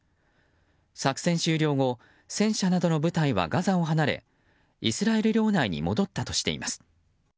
作戦終了後、戦車などの部隊はガザを離れイスラエル領内に戻ったとしています。